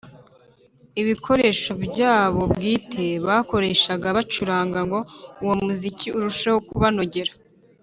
ibikoresho byabo bwite bakoreshaga bacuranga ngo uwo muziki urusheho kubanogera.